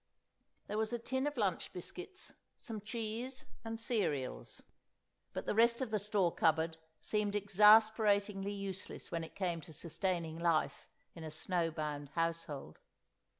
There was a tin of lunch biscuits, some cheese, and cereals; but the rest of the store cupboard seemed exasperatingly useless when it came to sustaining life in a snow bound household.